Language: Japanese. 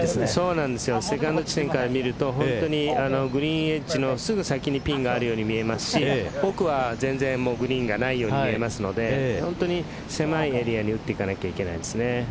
セカンド地点から見ると本当にグリーンエッジのすぐ先にピンがあるように見えますし奥は全然グリーンがないように見えますので本当に狭いエリアに打っていかなきゃいけないですね。